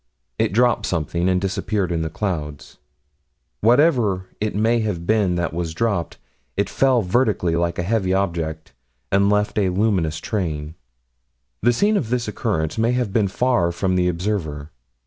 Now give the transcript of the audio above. It dropped something, and disappeared in the clouds. Whatever it may have been that was dropped, it fell vertically, like a heavy object, and left a luminous train. The scene of this occurrence may have been far from the observer.